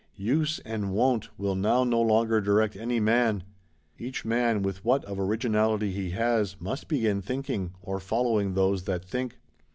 Use and wont will now no longer direct any man; each man, with what of originality he has, must begin thinking; or following those that think.